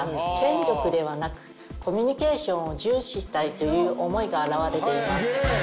という思いが表れています。